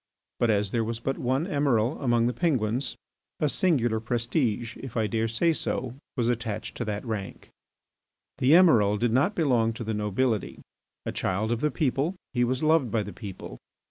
But as there was but one Emiral among the Penguins, a singular prestige, if I dare say so, was attached to that rank. The Emiral did not belong to the nobility. A child of the people, he was loved by the people.